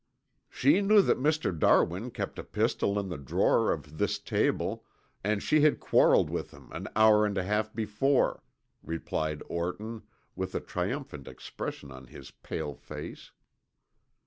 "She knew that Mr. Darwin kept a pistol in the drawer of this table and she had quarreled with him an hour and a half before," replied Orton with a triumphant expression on his pale face.